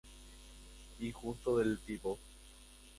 Injusto del tipo.